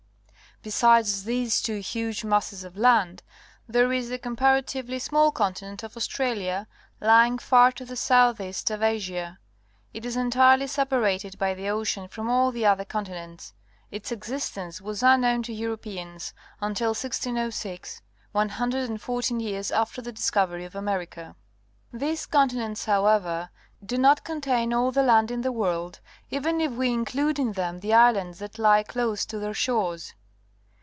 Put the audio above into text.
Besides these two huge masses of land, there is the comparatively small continent of Australia, lying far to the south east of Asia. It is entirel}' separated by the ocean from all the other continents. Its existence was unknown to Europeans until 1606 — one hun dred and fourteen j ears after the dis covery of America. These continents, however, do not con tain all the land in the world, even if we include in them the islands that lie close to their shores.